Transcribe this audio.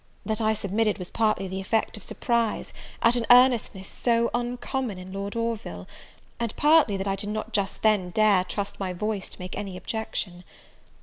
That I submitted was partly the effect of surprise, at an earnestness so uncommon in Lord Orville, and, partly, that I did not just then dare trust my voice to make any objection.